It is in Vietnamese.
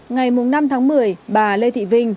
ngày năm tháng một mươi bà lê thị vinh